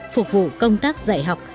phục vụ công tác dạy học